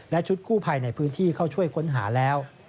และชุดกู้ภัยในพื้นที่เข้าช่วยค้นหาแล้ว